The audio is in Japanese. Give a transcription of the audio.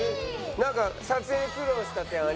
なんか撮影で苦労した点ありますか？